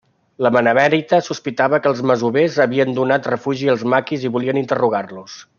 La benemèrita sospitava que els masovers havien donat refugi als maquis i volien interrogar-los.